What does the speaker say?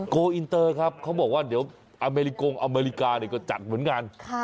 โกอินเตอร์ครับเขาบอกว่าเดี๋ยวอเมริกงอเมริกาเนี่ยก็จัดเหมือนกัน